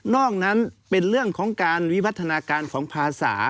นั้นเป็นเรื่องของการวิวัฒนาการของภาษา